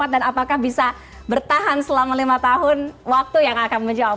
dan apakah bisa bertahan selama lima tahun waktu yang akan menjemput